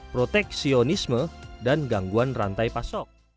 proteksionisme dan gangguan rantai pasok